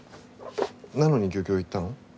なのに漁協行ったの？